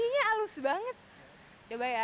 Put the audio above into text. ringnya alus banget coba ya